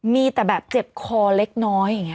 มีแต่แบบเจ็บคอเล็กน้อย